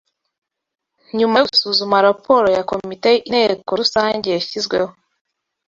Nyuma yo gusuzuma raporo ya komite Inteko rusange yashyizweho